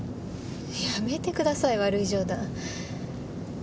やめてください悪い冗談。